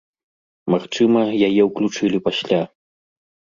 Магчыма, яе ўключылі пасля.